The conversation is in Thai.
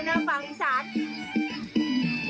มัน๔๐๐บาทครับผม